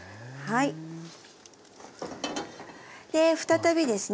で再びですね